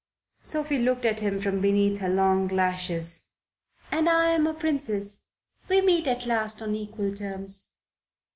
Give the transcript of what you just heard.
Sophie looked at him from beneath her long lashes. "And I am a princess. We meet at last on equal terms."